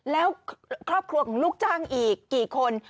แล้วครอบครัวของลูกจ้างอีกกี่คน